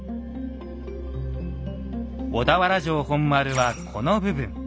小田原城本丸はこの部分。